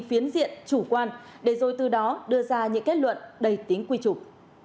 phiến diện chủ quan để rồi từ đó đưa ra những kết luận đầy tính quy trục